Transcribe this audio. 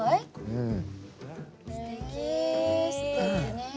うん？